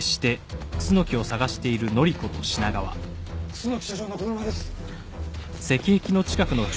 楠木社長の車です。